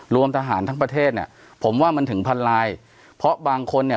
รวมทหารทั้งประเทศเนี่ยผมว่ามันถึงพันลายเพราะบางคนเนี่ย